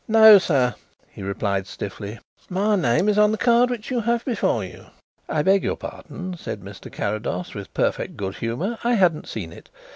"No sir," he replied stiffly. "My name is on the card which you have before you." "I beg your pardon," said Mr. Carrados, with perfect good humour. "I hadn't seen it.